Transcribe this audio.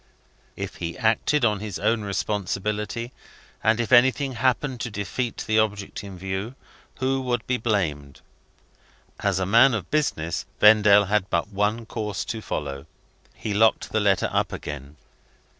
If he acted on his own responsibility, and if anything happened to defeat the object in view, who would be blamed? As a man of business, Vendale had but one course to follow. He locked the letter up again.